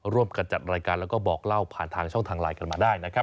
ร่วมกันจัดรายการแล้วก็บอกเล่าผ่านทางช่องทางไลน์กันมาได้นะครับ